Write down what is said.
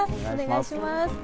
お願いします。